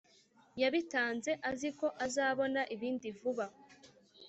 yabitanze aziko azabona ibindi vuba